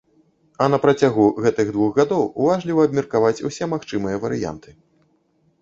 А на працягу гэтых двух гадоў уважліва абмеркаваць усе магчымыя варыянты.